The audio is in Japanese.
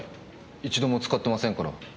一度も使ってませんから。